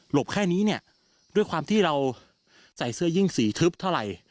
บแค่นี้เนี่ยด้วยความที่เราใส่เสื้อยิ่งสีทึบเท่าไหร่